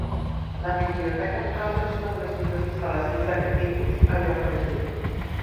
La biblioteca local és una de les millors instal·lacions d'aquest tipus a Johannesburg.